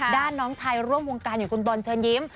ด้านน้องชายร่วมวงการของคุณบอลเชิญยิ้ม